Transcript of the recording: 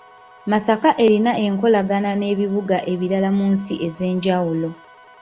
Masaka erina enkolagana n’ebibuga ebirala mu nsi ez’enjawulo.